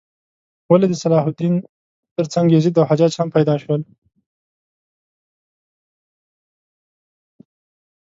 ولې د صلاح الدین تر څنګ یزید او حجاج هم پیدا شول؟